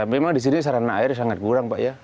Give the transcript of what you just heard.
memang di sini sarana air sangat kurang pak ya